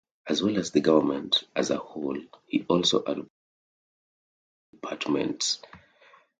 As well as the government as a whole, he also advises individual departments.